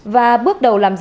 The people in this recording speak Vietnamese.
và bước đầu làm giả